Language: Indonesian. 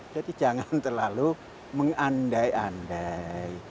jadi jangan terlalu mengandai andai